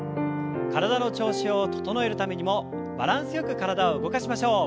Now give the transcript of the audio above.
体の調子を整えるためにもバランスよく体を動かしましょう。